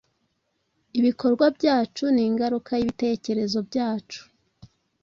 Ibikorwa byacu ni ingaruka y’ibitekerezo byacu.